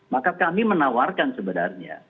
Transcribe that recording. maka kami menawarkan sebenarnya